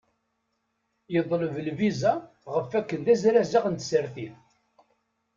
Yeḍleb lviza ɣef akken d azrazaɣ n tsertit.